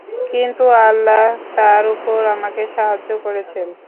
কিন্তু আল্লাহ তার উপর আমাকে সাহায্য করেছেন।